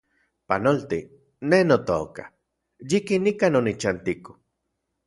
Panolti, ne notoka, yikin nikan onichantiko